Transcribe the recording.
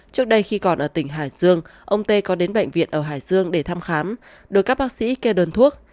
trước đây khi còn ở tỉnh hải dương ông tê có đến bệnh viện ở hải dương để thăm khám đối các bác sĩ kê đơn thuốc